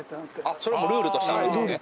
あっそれもうルールとしてあるんですね